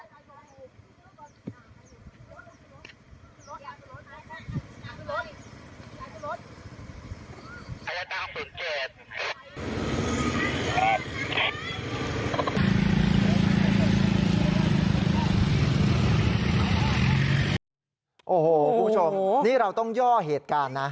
โอ้โหคุณผู้ชมนี่เราต้องย่อเหตุการณ์นะ